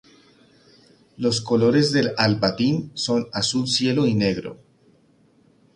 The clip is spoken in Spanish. Los colores del Al-Batin son azul cielo y negro.